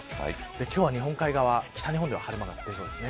今日は日本海側、北日本では晴れ間が出そうですね。